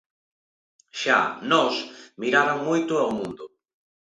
Xa Nós miraran moito ao mundo...